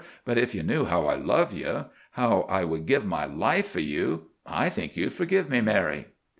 But if you knew how I love you, how I would give my life for you, I think you'd forgive me, Mary."